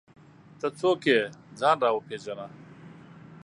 ته څوک یې ؟ ځان راوپېژنه!